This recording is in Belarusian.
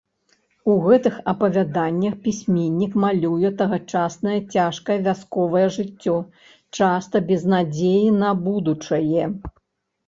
У гэтых апавяданнях пісьменнік малюе тагачаснае цяжкае вясковае жыццё, часта без надзеі на будучае.